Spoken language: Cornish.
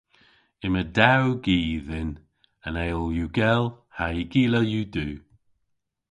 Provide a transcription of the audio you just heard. Yma dew gi dhyn. An eyl yw gell ha'y gila yw du.